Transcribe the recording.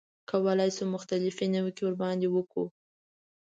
کولای شو مختلفې نیوکې ورباندې وکړو.